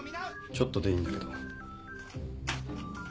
ちょっとでいいんだけど